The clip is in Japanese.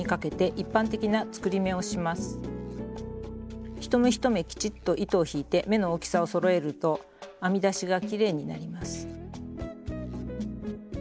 一目一目きちっと糸を引いて目の大きさをそろえると編みだしがきれいになります。